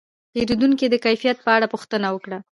پیرودونکی د کیفیت په اړه پوښتنه وکړه.